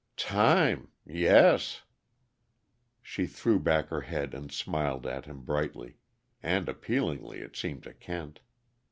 "Time! Yes " She threw back her head and smiled at him brightly and appealingly, it seemed to Kent.